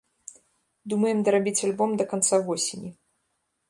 Думаем дарабіць альбом да канца восені.